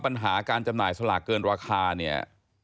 ปัญหาการจำหน่ายสลากเกินราคาเนี่ย